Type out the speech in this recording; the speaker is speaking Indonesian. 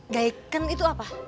gaiken itu apa